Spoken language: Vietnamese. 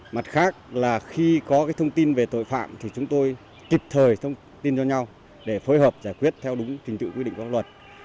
mặt khác là khi có thông tin về tội phạm thì chúng tôi kịp thời thông tin cho nhau để phối hợp giải quyết theo đúng trình tự quy định pháp luật